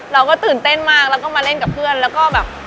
เราก็ตื่นเต้นมากแล้วก็มาเล่นกับเพื่อนแล้วก็แบบ